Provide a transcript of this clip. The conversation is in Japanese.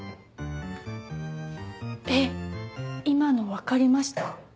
えっ今の分かりました？